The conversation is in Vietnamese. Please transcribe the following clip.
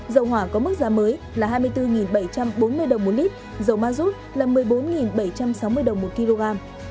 dầu hỏa có mức giá mới là hai mươi bốn bảy trăm bốn mươi đồng một lít dầu ma rút là một mươi bốn bảy trăm sáu mươi đồng một kg